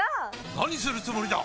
何するつもりだ！？